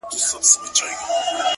چا ويل ډېره سوخي كوي’